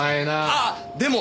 あっでも。